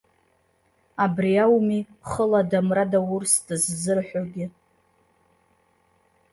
Абри ауми хыла адамра даурст ззырҳәогьы.